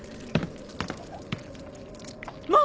もう！